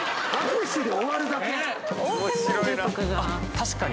確かに。